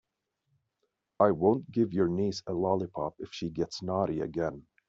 I won't give your niece a lollipop if she gets naughty again.